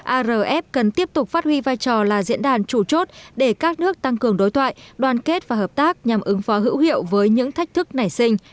arf cần tiếp tục phát huy vai trò là diễn đàn chủ chốt để các nước tăng cường đối thoại đoàn kết và hợp tác nhằm ứng phó hữu hiệu với những thách thức nảy sinh